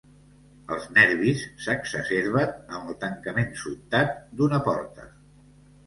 Els nervis s'exacerben amb el tancament sobtat d'una porta.